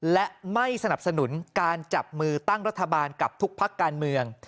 และไม่สนับสนุนการจับมือตั้งรัฐบาลกับทุกพักการเมือง